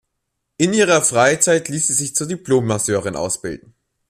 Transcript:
In ihrer Freizeit ließ sie sich zur Diplom-Masseurin ausbilden.